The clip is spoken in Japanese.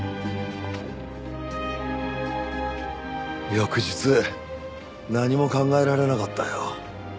翌日何も考えられなかったよ。